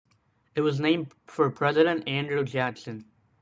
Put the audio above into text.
It was named for President Andrew Jackson.